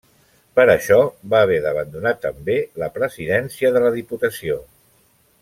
Per això, va haver d'abandonar també la presidència de la Diputació.